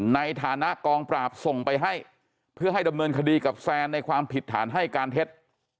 ในฐานะกองปราบส่งไปให้เพื่อให้ดำเนินคดีกับแฟนในความผิดฐานให้การเท็จ